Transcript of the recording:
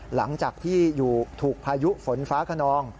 หลังจากที่ถูกพายุฝนฟ้าขนอง